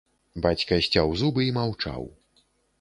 Бацька сцяў зубы і маўчаў.